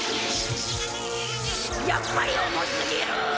やっぱり重すぎる。